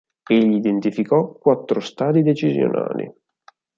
Egli identificò quattro stadi decisionali.